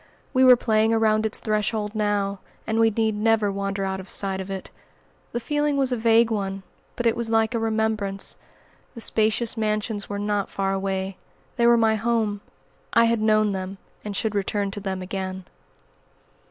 We were playing around its threshold now, and we need never wander out of sight of it. The feeling was a vague one, but it was like a remembrance. The spacious mansions were not far away. They were my home. I had known them, and should return to them again.